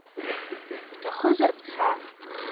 Бҭахызар бца!